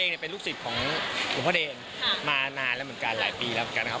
สาธารณีสี่มุมออกมาทั้งเว็บเลขนี้เลยครับ